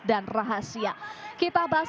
dan rahasia kita bahas